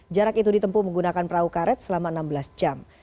jarak itu ditempu menggunakan perahu karet selama enam belas jam